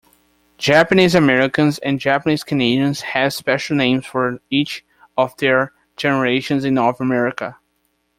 Japanese-Americans and Japanese-Canadians have special names for each of their generations in North America.